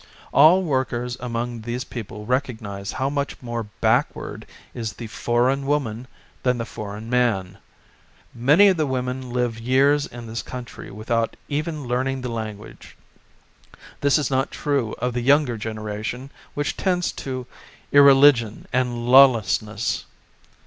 All workers among these people recognize how much more backward is the foreign woman than the foreign man. Many of the women live years in this coun try without even learning the language. This is not true of the younger genera tion which tends to irreligion and law lessness.